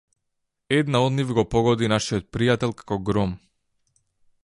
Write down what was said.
Една од нив го погоди нашиот пријател како гром.